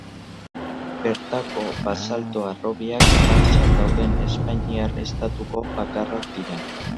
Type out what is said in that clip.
Bertako basalto-harrobiak martxan dauden espainiar estatuko bakarrak dira.